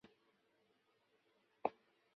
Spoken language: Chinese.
施特恩伯格宫。